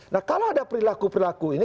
nah kalau ada perilaku perilaku ini